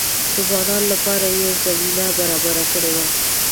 د ځوانانو لپاره یې زمینه برابره کړې وه.